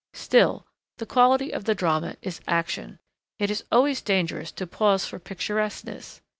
Still, the quality of the drama is action. It is always dangerous to pause for picturesqueness.